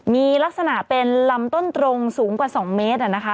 มีลักษณะเป็นลำต้นตรงสูงกว่า๒เมตรนะคะ